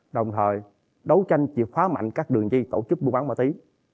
đồng thời đấu tranh chỉ phá mạnh các đường di tổ chức buôn bán ma túy